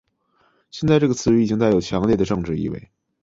现在这个词语已经带有强烈的政治意味。